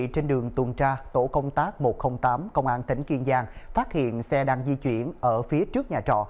trên đường tuần tra tổ công tác một trăm linh tám công an tỉnh kiên giang phát hiện xe đang di chuyển ở phía trước nhà trọ